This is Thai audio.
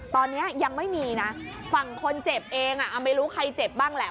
ตอนนี้ยังไม่มีนะฝั่งคนเจ็บเองไม่รู้ใครเจ็บบ้างแหละ